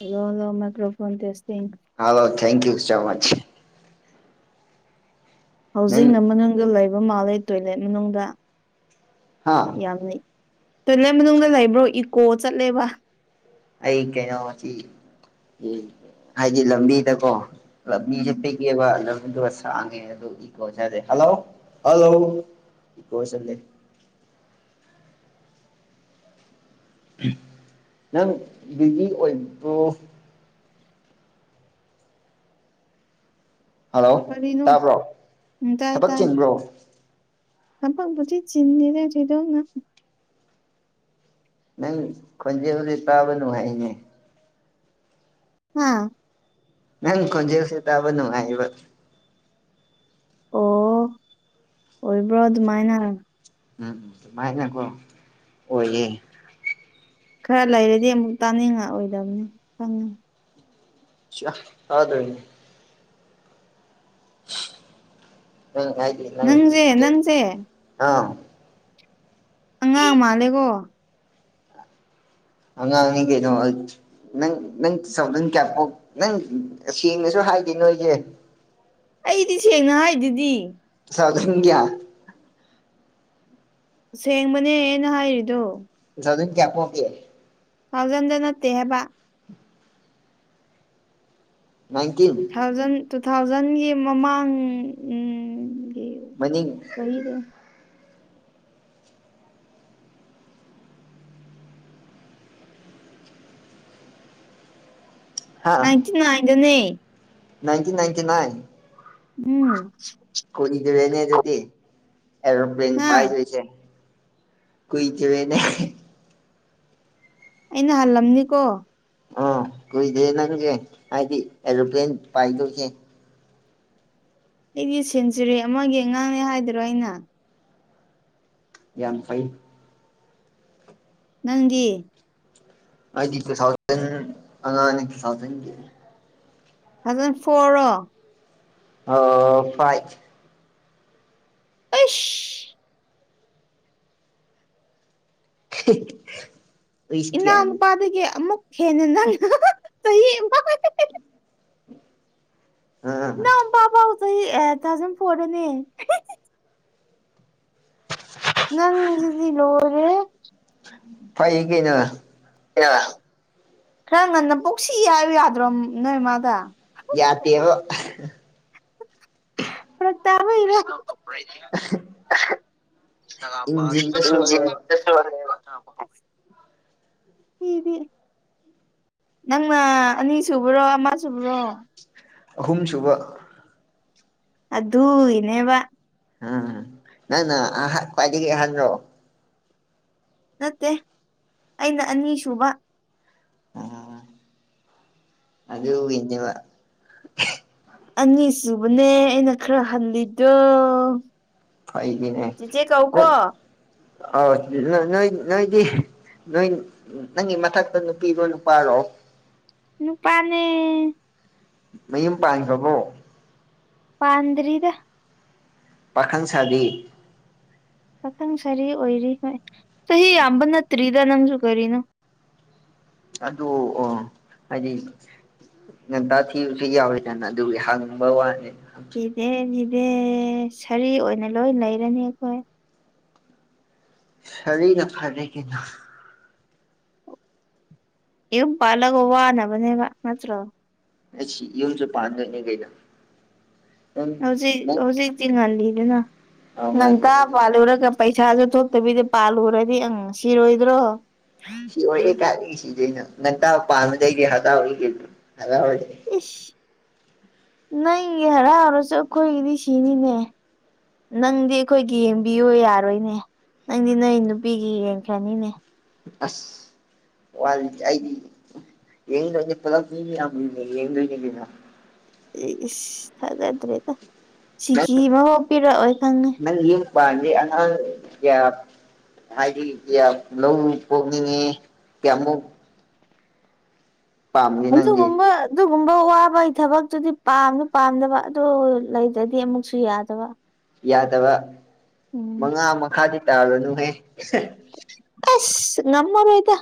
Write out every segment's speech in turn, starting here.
hello hello microphone testing hello thank you so much ꯅꯪ ꯍꯧꯖꯤꯛꯅ ꯃꯅꯨꯡꯗ ꯂꯩꯕ ꯃꯥꯜꯂꯤ ꯇꯣꯏꯂꯦꯠ ꯃꯅꯨꯡꯗ ꯍꯥꯥ ꯌꯥꯝꯅꯤ ꯇꯣꯏꯂꯦꯠ ꯃꯅꯨꯡꯗ ꯂꯩꯕ꯭ꯔꯣ ꯏꯀꯣ ꯆꯠꯂꯦꯕ ꯑꯩ ꯀꯩꯅꯣꯆꯤ ꯢ ꯍꯥꯏꯗꯤ ꯂꯝꯕꯤꯗꯀꯣ ꯂꯝꯕꯤꯖꯦ ꯎꯝ ꯄꯤꯛꯑꯦꯕ ꯂꯝꯗꯣ ꯁꯥ ꯇꯥꯡꯉꯦ ꯑꯗꯨ ꯏꯀꯣ ꯆꯠꯂꯦ ꯍꯜꯂꯣ ꯍꯜꯂꯣ ꯏꯀꯣ ꯆꯠꯂꯦ ꯅꯪ ꯕꯤꯖꯤ ꯑꯣꯏꯕ꯭ꯔꯣ ꯍꯥꯜꯂꯣ ꯀꯔꯤꯅꯣ ꯇꯥꯕ꯭ꯔꯣ ꯎꯝ ꯇꯥꯏ ꯊꯕꯛ ꯇꯥꯏ ꯆꯤꯟꯕ꯭ꯔꯣ ꯊꯕꯛꯄꯨꯗꯤ ꯆꯤꯟꯗꯦꯗꯥ ꯊꯣꯢꯗꯣꯛꯅ ꯅꯪ ꯈꯣꯟꯖꯦꯜꯖꯦ ꯇꯥꯕ ꯅꯨꯡꯉꯥꯢꯌꯦꯅꯦ ꯍꯥꯥ ꯅꯪ ꯈꯣꯟꯖꯦꯜꯁꯦ ꯇꯥꯕ ꯅꯨꯡꯉꯥꯢꯌꯦꯕ ꯑꯣ ꯑꯣꯏꯕ꯭ꯔꯣ ꯑꯗꯨꯃꯥꯏꯅ ꯎꯝ ꯁꯨꯃꯥꯏꯅꯀꯣ ꯑꯣꯏꯌꯦ ꯈꯔ ꯂꯩꯔꯗꯤ ꯑꯃꯨꯛ ꯇꯥꯅꯤꯡꯉꯛꯑꯣꯏꯗꯕꯅꯤ ꯈꯪꯉꯤ ꯁ꯭ꯌꯥ ꯇꯥꯗꯣꯢꯅꯤ ꯅꯪ ꯍꯥꯢꯗꯤ ꯅꯪ ꯢ ꯅꯪꯁꯦ ꯀꯦ ꯅꯪꯁꯦ ꯑꯥꯎ ꯑꯉꯥꯡ ꯃꯥꯜꯂꯦꯀꯣ ꯑꯉꯥꯡꯅꯤ ꯀꯩꯅꯣ ꯑꯆ ꯅꯪ ꯅꯪ ꯆꯥꯎꯗꯟ ꯀꯌꯥ ꯄꯣꯛ ꯅꯪ ꯁꯦꯡꯅꯁꯨ ꯍꯥꯏꯗꯦ ꯅꯣꯏꯖꯦ ꯑꯩꯗꯤ ꯁꯦꯡꯅ ꯍꯥꯏꯗꯨꯗꯤ ꯆꯥꯗꯨꯡꯌꯥ ꯁꯦꯡꯕꯅꯦ ꯑꯩꯅ ꯍꯥꯏꯔꯤꯗꯨ ꯇꯨ ꯊꯥꯎꯖꯟ ꯀꯌꯥ ꯄꯣꯛꯀꯦ ꯊꯥꯎꯖꯟꯗ ꯅꯠꯇꯦ ꯍꯥꯏꯕ ꯅꯥꯢꯟꯇꯤꯟ ꯊꯥꯎꯖꯟ ꯇꯨ ꯊꯥꯎꯖꯟꯒꯤ ꯃꯃꯥꯡ ꯎꯪ ꯒꯤ ꯃꯅꯤꯡ ꯆꯍꯤꯗꯨ ꯅꯥꯢꯟꯇꯤꯟ ꯅꯥꯢꯟꯗꯅꯦ ꯅꯥꯢꯟꯇꯤꯟ ꯅꯥꯏꯟꯇꯤ ꯅꯥꯏꯟ ꯎꯝ ꯀꯨꯢꯗꯔꯦꯅꯦ ꯑꯗꯨꯗꯤ ꯑꯦꯔꯣꯄ꯭ꯂꯦꯟ ꯍꯥ ꯄꯥꯏꯗꯣꯢꯖꯦ ꯀꯨꯏꯖꯔꯦꯅꯦꯍ ꯑꯩꯅ ꯍꯜꯂꯝꯅꯤꯀꯣ ꯑꯣ ꯀꯨꯏꯗ꯭ꯔꯦ ꯅꯪꯁꯦ ꯍꯥꯏꯗꯤ ꯑꯦꯔꯣꯄ꯭ꯂꯦꯟ ꯄꯥꯏꯗꯣꯏꯁꯦ ꯑꯩꯗꯤ ꯁꯦꯟꯆꯨꯔꯤ ꯑꯃꯒꯤ ꯑꯉꯥꯡꯅꯦ ꯍꯥꯏꯗꯔꯣ ꯑꯩꯅ ꯌꯥꯝ ꯐꯩ ꯅꯪꯗꯤ ꯑꯩꯗꯤ ꯇꯨ ꯊꯥꯎꯖꯟ ꯑꯉꯥꯡꯅꯦ ꯇꯨ ꯊꯥꯎꯖꯟꯒꯤ ꯊꯥꯎꯖꯟ ꯐꯣꯔꯣ ꯑꯥ ꯐꯥꯏꯐ ꯑꯩꯁ [unintelligible] ꯎꯏꯁ ꯀꯌꯥꯅꯣ ꯏꯅꯥꯎꯄꯥꯗꯒꯤ ꯑꯃꯨꯛ ꯍꯦꯟꯅ ꯅꯪꯅ ꯆꯍꯤ [unintelligible] ꯑꯥ ꯑꯩ ꯑꯥ ꯊꯥꯎꯖꯟ ꯐꯣꯔꯗꯅꯦ ꯅꯪꯖꯤꯗꯤ ꯂꯣꯢꯔꯦꯍꯦ ꯐꯩ ꯀꯩꯅꯣ ꯀꯌꯥ ꯈꯔ ꯉꯟꯅ ꯄꯣꯛꯁꯤ ꯍꯥꯏꯕ ꯌꯥꯗ꯭ꯔꯣ ꯅꯣꯏꯃꯥꯗ ꯌꯥꯇꯦꯕ ꯐꯔꯛ ꯇꯥꯕꯩꯔꯣ [unintelligible] ꯏꯟꯖꯤꯟꯗ ꯁꯣꯜꯂꯦꯕ [unintelligible] ꯑꯩꯗꯤ ꯅꯪꯅ ꯑꯅꯤ ꯁꯨꯕꯔꯣ ꯑꯃ ꯁꯨꯕ꯭ꯔꯣ ꯑꯍꯨꯝꯁꯨꯨꯕ ꯑꯗꯨꯏꯅꯦꯕ ꯑꯍ ꯅꯪ ꯑꯍꯟ ꯈ꯭ꯋꯥꯏꯗꯒꯤ ꯑꯍꯟꯔꯣ ꯅꯠꯇꯦ ꯑꯩꯅ ꯑꯅꯤꯁꯨꯕ ꯑꯥ ꯑꯗꯨꯒꯤꯅꯦꯕꯥ ꯑꯅꯤ ꯁꯨꯕꯅꯦ ꯑꯩꯅ ꯈꯔ ꯍꯜꯂꯤꯗꯣ ꯆꯤꯆꯦ ꯀꯧ ꯀꯣ ꯑꯥꯎ ꯅꯣꯏ ꯅꯣꯏꯗꯤ ꯅꯣꯏ ꯅꯪꯒꯤ ꯃꯊꯛꯇ ꯅꯨꯄꯤꯔꯣ ꯅꯨꯄꯥꯔꯣ ꯅꯨꯄꯥꯅꯦ ꯃꯌꯨꯝ ꯄꯥꯟꯈ꯭ꯔꯕꯣ ꯄꯥꯟꯗ꯭ꯔꯤꯗ ꯄꯥꯈꯪ ꯁꯥꯥꯔꯤ ꯄꯥꯈꯪ ꯁꯥꯔꯤ ꯑꯣꯏꯔꯤ ꯍꯣꯏ ꯆꯍꯤ ꯌꯥꯝꯕ ꯅꯠꯇ꯭ꯔꯤꯗ ꯅꯪꯁꯨ ꯀꯔꯤꯅꯣ ꯑꯗꯣ ꯑꯥ ꯍꯥꯏꯗꯤ ꯉꯟꯇꯥ ꯊꯤꯕꯁꯨ ꯌꯥꯎꯋꯦꯗꯅ ꯑꯗꯨꯒꯤ ꯍꯪꯕ ꯋꯥꯅꯤ ꯊꯤꯗꯦ ꯊꯤꯗꯦ ꯁꯔꯤ ꯑꯣꯏꯅ ꯂꯣꯏ ꯂꯩꯔꯅꯤ ꯑꯈꯣꯏ ꯁꯔꯤꯅ ꯐꯔꯦ ꯀꯩꯅꯣ ꯌꯨꯝ ꯄꯥꯜꯂꯒ ꯋꯥꯅꯕꯅꯦꯕ ꯅꯠꯇ꯭ꯔꯣ ꯉꯁꯤ ꯌꯨꯝꯁꯨ ꯄꯥꯟꯗꯣꯢꯅꯦ ꯀꯩꯅꯣ ꯅꯪ ꯍꯧꯖꯤꯛ ꯅꯪ ꯍꯧꯖꯤꯛꯇꯤ ꯉꯜꯂꯤꯗꯅ ꯑꯧ ꯉꯜꯂꯤ ꯉꯟꯇ ꯑꯗꯨ ꯄꯥꯜꯂꯨꯔꯒꯞ ꯄꯩꯁꯥꯖꯨ ꯊꯣꯛꯇꯕꯤꯗ ꯄꯥꯜꯂꯨꯔꯗꯤ ꯑꯪ ꯁꯤꯔꯣꯏꯗ꯭ꯔꯣ ꯁꯤ ꯑꯣꯏꯑꯦ ꯀꯥꯏꯗꯒꯤ ꯁꯤꯗꯣꯢꯅꯣ ꯉꯟꯇꯥ ꯄꯥꯟꯕꯥꯗꯩꯗꯤ ꯍꯇꯥꯎꯔꯦ ꯀꯩꯅꯣ ꯍꯔꯥꯎꯔꯦ ꯏꯁ ꯅꯪꯒꯤ ꯍꯔꯥꯎꯔꯁꯨ ꯑꯈꯣꯏꯒꯤꯗꯤ ꯁꯤꯅꯤꯅꯦ ꯅꯪꯗꯤ ꯑꯩꯈꯣꯏꯒꯤ ꯌꯦꯡꯕꯤꯌꯨ ꯌꯥꯔꯣꯏꯅꯦ ꯅꯪꯗꯤ ꯅꯣꯏ ꯅꯨꯄꯤꯒꯤ ꯌꯦꯡꯈ꯭ꯔꯅꯤꯅꯦ ꯑꯁ ꯋꯥꯔꯤꯗꯤ ꯑꯩꯒꯤ ꯌꯦꯡꯗꯣꯏꯅꯦ ꯄꯨꯂꯞ ꯃꯤ ꯌꯥꯝ ꯃꯨꯟꯅ ꯌꯦꯡꯗꯣꯏꯅꯦ ꯀꯩꯅꯣ ꯏ ꯏꯁ ꯊꯥꯖꯗ꯭ꯔꯦꯗ ꯁꯤꯀꯤ ꯑꯃꯐꯥꯎ ꯄꯤꯔꯛꯑꯣꯏ ꯈꯪꯉꯤ ꯑꯩꯅ ꯌꯨꯝ ꯄꯥꯟꯅꯤ ꯑꯉꯥꯡ ꯀ꯭ꯌꯥ ꯍꯥꯏꯗꯤ ꯀ꯭ꯌꯥꯝ ꯂꯧꯅꯤ ꯄꯣꯛꯅꯤꯡꯉꯤ ꯀ꯭ꯌꯥꯃꯨꯛ ꯅꯪꯗꯤ ꯑꯗꯨꯒꯨꯝꯕꯠ ꯗꯨꯒꯨꯝꯕ ꯋꯥꯕꯩ ꯊꯕꯛꯇꯨꯗꯤ ꯄꯥꯝꯖꯨ ꯄꯥꯝꯗꯕ ꯑꯗꯨ ꯂꯩꯇꯗꯤ ꯑꯃꯨꯛꯁꯨ ꯌꯥꯗꯕ ꯌꯥꯗꯕ ꯎꯝ ꯃꯉꯥ ꯃꯈꯥꯗꯤ ꯇꯥꯔꯨꯔꯅꯨꯍꯦ ꯑꯁ ꯉꯝꯃꯔꯣꯏꯗ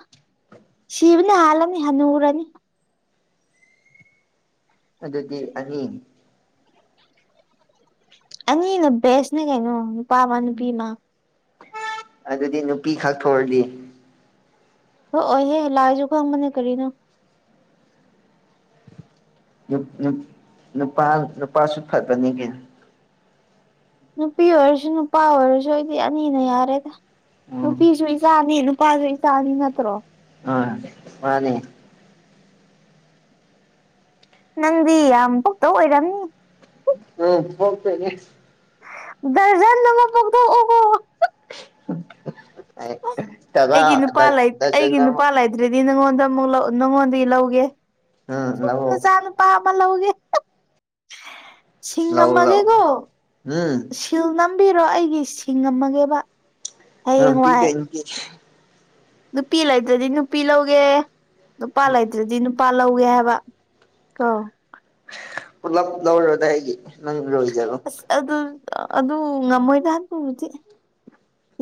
ꯁꯤꯕꯅ ꯍꯥꯜꯂꯅꯤ ꯍꯅꯨꯔꯅꯤ ꯑꯗꯨꯗꯤ ꯑꯅꯤ ꯑꯅꯤꯅ ꯕꯦꯁꯅꯦ ꯀꯩꯅꯣ ꯅꯨꯄꯥ ꯑꯃ ꯅꯨꯄꯤꯃ ꯑꯗꯨꯗꯤ ꯅꯨꯄꯤ ꯈꯛ ꯊꯣꯔꯗꯤ ꯊꯣꯑꯣꯏꯍꯦ ꯂꯥꯏꯖꯨ ꯈꯪꯕꯅꯦ ꯀꯔꯤꯅꯣ ꯅꯨꯞ ꯅꯨꯞ ꯅꯨꯄꯥ ꯅꯨꯄꯥꯁꯨ ꯐꯕꯅꯤ ꯀꯩꯅꯣ ꯅꯨꯄꯤ ꯑꯣꯏꯔꯁꯨ ꯅꯨꯄꯥ ꯑꯣꯏꯔꯁꯨ ꯑꯩꯗꯤ ꯑꯅꯤꯅ ꯌꯥꯔꯦꯗ ꯎꯝ ꯅꯨꯄꯤꯁꯨ ꯏꯆꯥꯅꯤ ꯅꯨꯄꯥꯖꯨ ꯏꯆꯥꯅꯤ ꯅꯠꯇ꯭ꯔꯣ ꯃꯥꯅꯦ ꯃꯥꯅꯦ ꯅꯪꯗꯤ ꯌꯥꯝ ꯄꯣꯛꯇꯧ ꯑꯣꯏꯔꯝꯅꯤ ꯎꯝ ꯄꯣꯛꯇꯣꯏꯅꯦ ꯗꯖꯟ ꯑꯃ ꯄꯣꯛꯊꯣꯛ ꯑꯣꯀꯣ ꯑꯩ ꯑꯩꯒꯤ ꯅꯨꯄꯥ ꯂꯩꯠ ꯑꯩꯒꯤ ꯅꯨꯄꯥ ꯂꯩꯇ꯭ꯔꯗꯤ ꯅꯉꯣꯟꯗ ꯑꯃꯨꯛ ꯂꯧ ꯅꯉꯣꯟꯗꯒꯤ ꯂꯧꯒꯦ ꯎꯝ ꯂꯧꯑꯣ ꯅꯆꯥ ꯅꯨꯄꯥ ꯑꯃ ꯂꯧꯒꯦ ꯁꯤꯡ ꯂꯧ ꯂꯧ ꯉꯝꯃꯒꯦꯀꯣ ꯍꯝ ꯁꯤꯜ ꯅꯝꯕꯤꯔꯣ ꯑꯩꯒꯤ ꯁꯤꯡꯉꯝꯃꯒꯦꯕ ꯍꯥ ꯄꯤꯗꯩꯅꯤ ꯄꯤ ꯅꯨꯄꯤ ꯂꯩꯇꯗꯤ ꯅꯨꯄꯤ ꯂꯧꯒꯦ ꯅꯨꯄꯥ ꯂꯩꯠ ꯇꯔꯥꯗꯤ ꯅꯨꯄꯥ ꯂꯧꯒꯦ ꯍꯥꯏꯕ ꯀꯣ ꯄꯨꯂꯞ ꯂꯧꯔꯣꯗꯥ ꯑꯩꯒꯤ ꯅꯪ ꯂꯣꯏꯖꯔꯣ ꯏꯁ ꯑꯗꯨ ꯑꯗꯨ ꯉꯝꯃꯣꯏꯗ ꯑꯗꯨꯕꯨꯗꯤ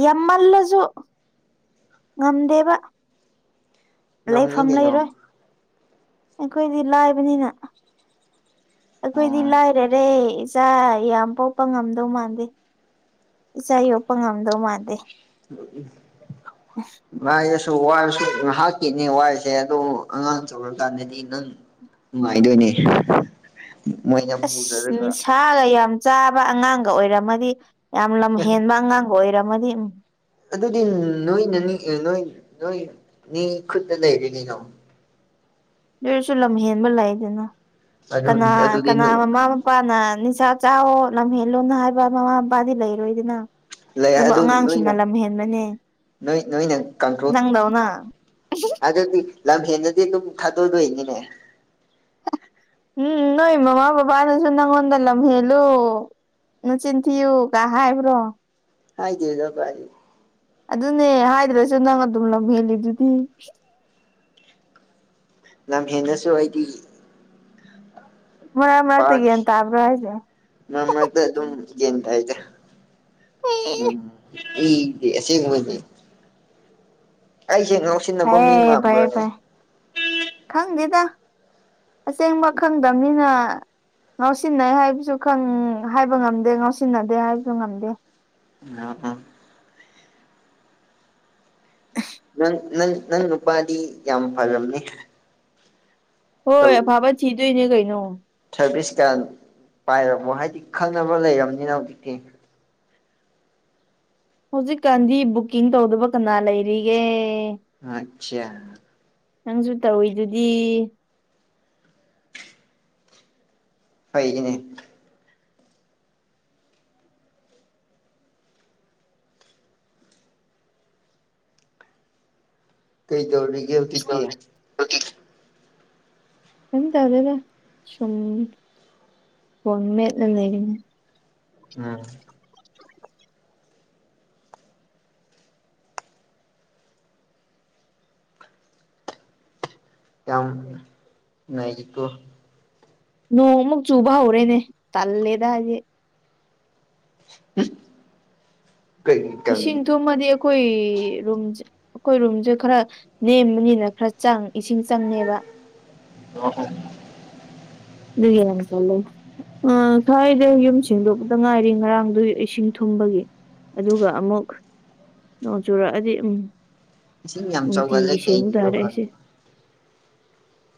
ꯌꯥꯝꯃꯜꯂꯖꯨ ꯉꯝꯗꯦꯕ ꯉꯝꯅꯤ ꯂꯩꯐꯝ ꯀꯩꯅꯣ ꯂꯩꯔꯣꯏ ꯑꯩꯈꯣꯏꯗꯤ ꯂꯥꯏꯕꯅꯤꯅ ꯑꯩꯈꯣꯏꯗꯤ ꯎꯝ ꯂꯥꯏꯔꯔꯦ ꯆꯥ ꯌꯥꯝ ꯄꯣꯛꯄ ꯉꯝꯗꯧ ꯃꯥꯟꯗꯦ ꯏꯆꯥ ꯌꯣꯛꯄ ꯉꯝꯗꯧ ꯃꯥꯟꯗꯦ [unintelligible] ꯉꯥꯏꯔꯁꯨ ꯋꯥꯔꯁꯨ ꯉꯥꯍꯥꯛꯀꯤꯅꯦ ꯋꯥꯏꯁꯦ ꯑꯗꯨ ꯑꯉꯥꯡ ꯆꯥꯎꯔꯛꯀꯥꯟꯗꯗꯤ ꯅꯪ ꯅꯨꯉꯥꯏꯗꯣꯏꯅꯦ ꯃꯣꯏꯅ ꯑꯁ ꯅꯤꯁꯥꯒ ꯌꯥꯝ ꯆꯥꯕ ꯑꯉꯥꯡꯒ ꯑꯣꯏꯔꯝꯃꯗꯤ ꯌꯥꯝ ꯂꯝ ꯑꯦ ꯍꯦꯟꯕ ꯑꯉꯥꯡ ꯑꯣꯏꯔꯝꯃꯗꯤ ꯎꯝ ꯑꯗꯨꯗꯤ ꯅꯣꯏꯅꯅꯤ ꯑꯦ ꯅꯣꯏ ꯅꯣꯏ ꯅꯤ ꯈꯨꯠꯇ ꯂꯩꯔꯦ ꯀꯩꯅꯣ ꯑꯗꯨꯑꯣꯏꯔꯁꯨ ꯂꯝꯍꯦꯟꯕ ꯂꯩꯗꯅ ꯑꯗꯨ ꯀꯅꯥ ꯑꯗꯨꯗꯤ ꯀꯅꯥ ꯃꯃꯥ ꯄꯥꯅ ꯅꯤꯁꯥ ꯆꯥꯎꯋꯣ ꯂꯝꯍꯦꯜꯂꯣꯅ ꯍꯥꯏꯕ ꯃꯃꯥ ꯃꯄꯥꯗꯤ ꯂꯩꯔꯣꯏꯗꯅ ꯂꯩ ꯑꯗꯨꯕꯨ ꯑꯗꯨ ꯑꯉꯥꯡꯁꯤꯡꯅ ꯅꯣꯏꯅ ꯂꯝ ꯍꯦꯟꯕꯅꯦ ꯅꯣꯏ ꯅꯣꯏꯅ ꯀꯟꯇ꯭ꯔꯣꯜ ꯅꯪꯗꯧꯅ ꯑꯗꯨꯗꯤ ꯂꯝ ꯍꯦꯟꯗꯗꯤ ꯑꯗꯨꯝ ꯊꯥꯗꯣꯛꯑꯗꯣꯏꯅꯤꯅꯦ ꯎꯝ ꯅꯣꯏ ꯃꯃꯥ ꯕꯕꯥꯅꯖꯨ ꯅꯪꯉꯣꯟꯗ ꯂꯝ ꯍꯦꯜꯂꯨ ꯅꯆꯤꯟ ꯊꯤꯌꯨ ꯀꯥ ꯍꯥꯏꯕ꯭ꯔꯣ ꯍꯥꯏꯗꯦꯗ ꯀꯥꯏꯗꯩꯅꯣ ꯑꯗꯨꯅꯦ ꯍꯥꯏꯗ꯭ꯔꯁꯨ ꯅꯪ ꯑꯗꯨꯝ ꯂꯝꯍꯦꯜꯂꯤꯗꯨꯗꯤ ꯂꯝ ꯍꯦꯟꯅꯁꯨ ꯑꯩꯗꯤ ꯃꯔꯛ ꯃꯔꯛꯇ ꯄꯥꯛ ꯒ꯭ꯌꯥꯟ ꯇꯥꯕ꯭ꯔꯥ ꯍꯥꯏꯁꯦ ꯃꯔꯛ ꯃꯔꯛꯇ ꯑꯗꯨꯝ ꯒ꯭ꯌꯥꯟ ꯇꯥꯏꯗ ꯑꯩꯗꯤ ꯑꯁꯦꯡꯕꯅꯦ ꯑꯩꯁꯦ ꯉꯥꯎꯁꯤꯟ ꯐꯩꯌꯦ ꯐꯩꯌꯦ ꯐꯩꯌꯦ ꯈꯪꯗꯦꯗ ꯑꯁꯦꯡꯕ ꯈꯪꯗꯝꯅꯤꯅ ꯉꯥꯎꯁꯤꯟꯅꯩ ꯍꯥꯏꯕꯁꯨ ꯈꯪ ꯍꯥꯏꯕ ꯉꯝꯗꯦ ꯉꯥꯎꯁꯤꯟꯅꯗꯦ ꯍꯥꯏꯕꯁꯨ ꯉꯝꯗꯦ [unintelligible] ꯅꯪ ꯅꯪ ꯅꯪ ꯅꯨꯄꯥꯗꯤ ꯌꯥꯝ ꯐꯥꯔꯝꯅꯦ ꯍꯣꯏ ꯑꯐꯥꯕ ꯊꯤꯗꯣꯏꯅꯦ ꯀꯩꯅꯣ ꯁꯥꯔꯚꯤꯁꯀꯥꯟ ꯄꯥꯏꯔꯕꯣ ꯍꯥꯏꯗꯤ ꯈꯪꯅꯕ ꯂꯩꯔꯕꯅꯤꯅ ꯍꯧꯖꯤꯛꯇꯤ ꯍꯧꯖꯤꯛꯀꯥꯟꯗꯤ ꯕꯨꯛꯀꯤꯡ ꯇꯧꯗꯕ ꯀꯅꯥ ꯂꯩꯔꯤꯒꯦ ꯑꯥꯠꯆꯥ ꯅꯪꯖꯨ ꯇꯧꯋꯤꯗꯨꯗꯤ ꯑꯩꯒꯤꯅꯦ ꯀꯩ ꯗꯧꯔꯤꯒꯦ ꯍꯧꯖꯤꯛꯇꯤ ꯀꯩꯝ ꯇꯧꯗꯦꯗ ꯁꯨꯝ ꯐꯣꯟ ꯃꯦꯠꯂ ꯂꯩꯔꯤꯅꯦ ꯎꯝ ꯌꯥꯝ ꯅꯩꯔꯤꯀꯣ ꯅꯣꯡ ꯃꯨꯛ ꯆꯨꯕ ꯍꯧꯔꯦꯅꯦ ꯇꯜꯂꯦꯗ ꯍꯥꯏꯗꯤ [inaudible] ꯀꯩ ꯏꯁꯤꯡꯊꯨꯝ ꯊꯨꯝꯃꯗꯤ ꯑꯩꯈꯣꯏ ꯔꯨꯝꯁꯦ ꯑꯩꯈꯣꯏ ꯔꯨꯝꯁꯦ ꯈꯔ ꯅꯦꯝꯕꯅꯤꯅ ꯈꯔ ꯆꯪ ꯏꯁꯤꯡ ꯆꯪꯉꯦꯕ [unintelligible] ꯑꯗꯨꯒꯤ ꯅꯣꯡ ꯆꯨꯍꯜꯂꯧ ꯑꯥ ꯉꯁꯥꯏꯗ ꯌꯨꯝ ꯁꯦꯡꯗꯣꯛꯄꯗ ꯉꯥꯏꯔꯤ ꯉꯔꯥꯡꯗꯨ ꯏꯁꯤꯡ ꯊꯨꯝꯕꯒꯤ ꯑꯗꯨꯒ ꯑꯃꯨꯛ ꯅꯣꯡ ꯆꯨꯔꯛꯑꯗꯤ ꯎꯝ ꯏꯁꯤꯡ ꯌꯥꯝ ꯆꯥꯎꯒꯜꯂꯦ ꯅꯨꯡꯇꯤꯒꯤ ꯀꯩꯒꯤꯅꯣ ꯁꯦꯡꯕꯇꯥꯔꯦ ꯈꯪꯗꯦ ꯑꯩꯁꯦ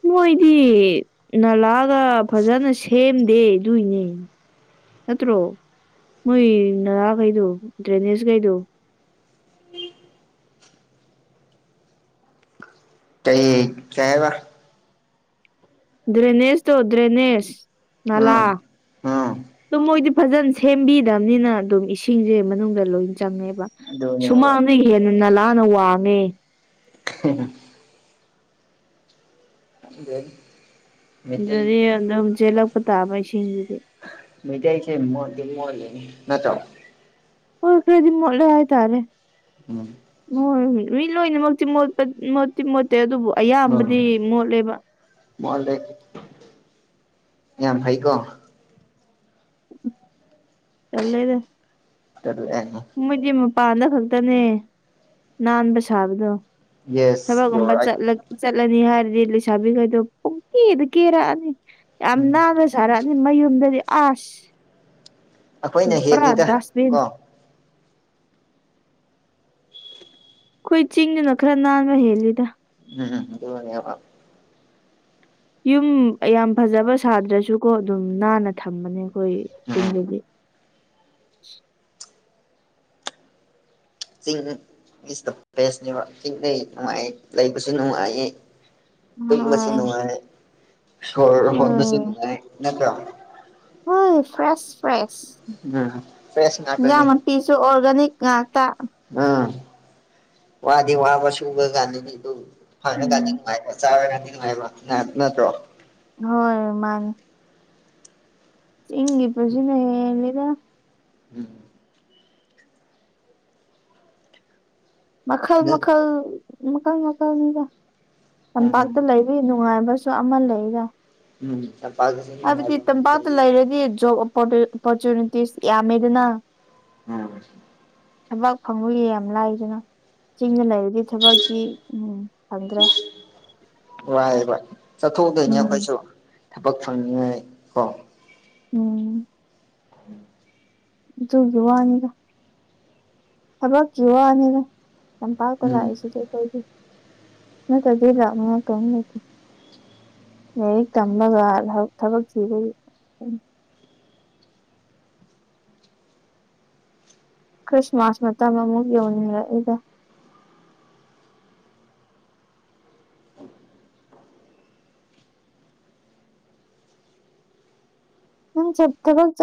ꯃꯣꯏꯗꯤ ꯅꯂꯥꯒ ꯐꯥꯖꯅ ꯁꯦꯝꯗꯦ ꯑꯗꯨꯏꯅꯦ ꯅꯠꯇ꯭ꯔꯣ ꯃꯣꯏ ꯅꯥꯂꯥꯈꯩꯗꯣ ꯗ꯭ꯔꯦꯅꯦꯖ ꯒꯩꯗꯣ ꯀꯩ ꯀꯩ ꯍꯥꯏꯕꯥ ꯗ꯭ꯔꯦꯅꯦꯁ ꯇꯣ ꯗ꯭ꯔꯦꯅꯦꯁ ꯅꯂꯥ ꯎꯝ ꯎꯝ ꯑꯗꯨ ꯃꯣꯏꯗꯤ ꯐꯖꯅ ꯁꯦꯝꯕꯤꯗꯝꯅꯤꯅ ꯑꯗꯨꯝ ꯏꯁꯤꯡꯖꯦ ꯃꯅꯨꯡꯗ ꯂꯣꯏ ꯆꯪꯉꯦꯕ ꯑꯗꯨꯅꯦꯕ ꯁꯨꯃꯡꯗꯒꯤ ꯍꯦꯟꯅ ꯅꯂꯥꯅ ꯋꯥꯡꯉꯦ ꯍꯦꯍꯦ ꯃꯩꯇꯩ ꯑꯗꯨꯗꯤ ꯑꯗꯨꯝ ꯆꯦꯜꯂꯛꯄ ꯇꯥꯕ ꯏꯁꯤꯡꯗꯨꯗꯤ ꯃꯩꯗꯥꯩꯁꯦ ꯃꯣꯠꯇꯤ ꯃꯣꯠꯂꯤꯍꯦ ꯅꯠꯇ꯭ꯔ ꯍꯣꯏ ꯈꯔꯗꯤ ꯃꯣꯠꯂꯦ ꯍꯥꯏꯇꯔꯦ ꯎꯝ [unintelligible] ꯃꯤ ꯂꯣꯏꯅꯃꯛꯇꯤ ꯃꯣꯠꯄ ꯃꯣꯠꯇꯤ ꯃꯣꯠꯇꯦ ꯑꯗꯨꯕꯨ ꯎꯝ ꯑꯌꯥꯝꯕꯗꯤ ꯃꯣꯠꯂꯦꯕ ꯃꯣꯠꯂꯦ ꯌꯥꯝ ꯐꯩꯀꯣ ꯇꯜꯂꯦꯗ [unintelligible] ꯃꯣꯏꯗꯤ ꯃꯄꯥꯟꯗ ꯈꯛꯇꯅꯦ ꯅꯟꯕ ꯁꯕꯗꯣ ꯌꯦꯁ ꯌꯨ ꯊꯕꯛꯒꯨꯝꯕ ꯑꯥꯔ ꯔꯥꯏꯠ ꯆꯠꯂ ꯆꯠꯂꯅꯤ ꯍꯥꯏꯔꯗꯤ ꯂꯩꯁꯕꯤꯈꯩꯗꯣ ꯄꯨꯡ ꯀꯦꯗ ꯀꯦꯔꯛꯑꯅꯤ ꯌꯥꯝ ꯎꯝ ꯅꯟꯕꯁ ꯁꯥꯔꯛꯑꯅꯤ ꯃꯌꯨꯝꯗꯗꯤ ꯑꯁ ꯑꯈꯣꯏꯅ ꯄꯨꯔꯥ ꯍꯦꯜꯂꯤꯗ ꯗꯁꯕꯤꯟ ꯀꯣ ꯈꯣꯏ ꯆꯤꯡꯗꯅ ꯈꯔ ꯅꯟꯕ ꯍꯦꯜꯂꯤꯗ ꯎꯝ ꯗꯨꯅꯦꯕ ꯌꯨꯝ ꯌꯥꯝ ꯐꯖꯕ ꯁꯥꯗ꯭ꯔꯁꯨꯀꯣ ꯑꯗꯨꯝ ꯅꯟꯅ ꯊꯝꯕꯅꯦ ꯈꯣꯏ ꯎꯝ ꯎꯝ ꯆꯤꯡꯗꯗꯤ ꯆꯤꯡ ꯏꯁ ꯗꯥ ꯕꯦꯁꯅꯦꯕ ꯆꯤꯡꯗꯩ ꯅꯨꯡꯉꯥꯏ ꯂꯩꯕꯁꯨ ꯅꯨꯡꯉꯥꯏꯌꯦ ꯇꯨꯝꯕꯁꯨ ꯍꯣꯏ ꯅꯨꯡꯉꯥꯏ ꯁꯣꯔ ꯍꯣꯟꯕꯁꯨ ꯅꯨꯡꯉꯥꯏ ꯅꯠꯇ꯭ꯔꯣ ꯎꯝ ꯐ꯭ꯔꯦꯁ ꯐ꯭ꯔꯦꯁ ꯎꯝ ꯐ꯭ꯔꯦꯁ ꯏꯟꯖꯥꯡ ꯉꯥꯛꯇꯅꯤ ꯃꯄꯤꯁꯨ ꯑꯣꯔꯒꯅꯤꯛ ꯉꯥꯛꯇ ꯎꯝ ꯋꯥꯗꯤ ꯋꯥꯕ ꯁꯨꯕꯀꯥꯟꯗꯗꯤꯗꯨ ꯐꯔꯀꯟꯗ ꯎꯝ ꯅꯨꯡꯉꯥꯏꯕ ꯆꯥꯔꯀꯟꯗ ꯅꯨꯡꯉꯥꯏꯕ ꯉꯥ ꯅꯠꯇ꯭ꯔꯣ ꯍꯣꯏ ꯃꯅꯤ ꯆꯤꯡꯒꯤ ꯄꯨꯟꯁꯤꯅ ꯍꯦꯜꯂꯤꯗ ꯎꯝ ꯃꯈꯥꯜ ꯅꯪ ꯃꯈꯥꯜ ꯃꯈꯥꯜ ꯃꯈꯥꯜꯅꯤꯗ ꯎꯝ ꯇꯝꯄꯥꯛꯇ ꯂꯩ ꯅꯨꯡꯉꯥꯏꯕꯁꯨ ꯑꯃ ꯂꯩꯗ ꯎꯝ ꯇꯝꯄꯛꯇꯁꯨ ꯍꯥꯏꯕꯗꯤ ꯇꯝꯄꯥꯛꯇ ꯂꯩꯔꯗꯤ ꯖꯣꯞ ꯑꯣꯄꯣꯔꯆꯨꯅꯤꯇꯤꯁ ꯌꯥꯝꯃꯦꯗꯅ ꯎꯝ ꯊꯕꯥꯛ ꯐꯪꯕꯒꯤ ꯌꯥꯝ ꯂꯥꯏꯗꯅ ꯆꯤꯡꯗ ꯂꯩꯔꯗꯤ ꯊꯕꯛꯇꯤ ꯎꯝ ꯐꯪꯗ꯭ꯔꯦ ꯋꯥꯏꯌꯦꯕ ꯆꯥꯠꯊꯣꯛ ꯇꯣꯏꯅꯦ ꯎꯝ ꯑꯈꯣꯏꯁꯨ ꯊꯕꯛ ꯐꯪꯅꯤꯉꯥꯏ ꯀꯣ ꯎꯝ ꯗꯨꯒꯤ ꯋꯥꯅꯤꯗ ꯊꯕꯛꯀꯤ ꯋꯥꯅꯤꯗ ꯇꯝꯄꯥꯛꯇ ꯎꯝ ꯂꯥꯛꯏꯁꯤꯗꯤ ꯑꯈꯣꯏꯗꯤ ꯅꯠꯇ꯭ꯔꯗꯤ ꯂꯥꯛꯅꯤꯡꯉꯥꯏ ꯀꯩꯝ ꯂꯩꯇꯦ ꯂꯥꯏꯔꯤꯛ ꯇꯝꯃꯒ ꯊꯕꯛ ꯊꯕꯛ ꯊꯤꯕꯒꯤ ꯈ꯭ꯔꯤꯁꯃꯥꯁ ꯃꯇꯝ ꯑꯃꯨꯛ ꯌꯧꯅꯤꯡꯔꯛꯏꯗ ꯅꯪ ꯆꯞ ꯊꯕꯛ ꯆꯥꯠ